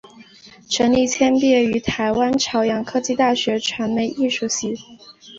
陈立谦毕业于台湾朝阳科技大学传播艺术系。